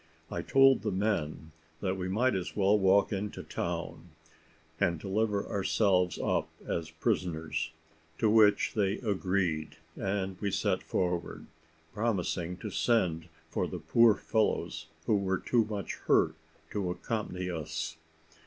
I told the men that we might as well walk into the town, and deliver ourselves up as prisoners; to which they agreed, and we set forward, promising to send for the poor fellows who were too much hurt to accompany us.